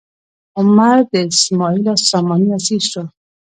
عمر د اسماعیل ساماني اسیر شو.